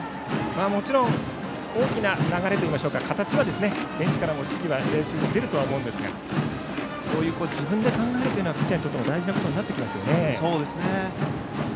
もちろん大きな流れというか形はベンチからの指示が出るとは思うんですがそういう自分で考えるというのはピッチャーにとっても大事なことですね。